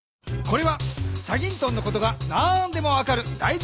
これは『チャギントン』のことが何でも分かるだい